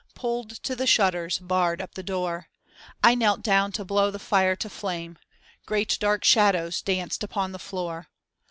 Pulled to the shutters, barred up the door; I knelt down to blow the fire to flame. Great dark shadows danced upon the floor.